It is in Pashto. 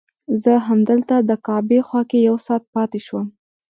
زه همدلته د کعبې خوا کې یو ساعت پاتې شوم.